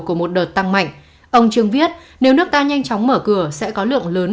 của một đợt tăng mạnh ông trương viết nếu nước ta nhanh chóng mở cửa sẽ có lượng lớn